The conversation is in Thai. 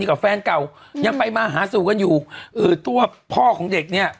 กับแฟนเก่ายังไปมาหาสู่กันอยู่เออตัวพ่อของเด็กเนี่ย